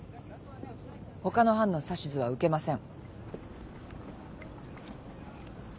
ほかの班の指図は受けません。